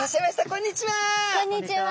こんにちは！